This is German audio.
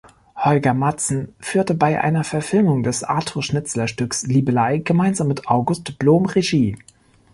Holger-Madsen führte bei einer Verfilmung des Arthur-Schnitzler-Stücks "Liebelei" gemeinsam mit August Blom Regie.